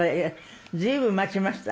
随分待ちました。